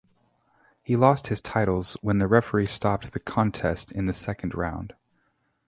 He lost his titles when the referee stopped the contest in the second round.